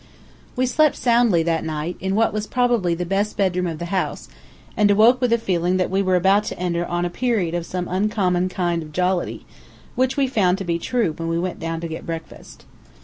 We slept soundly that night, in what was probably the best bedroom of the house, and awoke with a feeling that we were about to enter on a period of some uncommon kind of jollity, which we found to be true when we went down to get breakfast.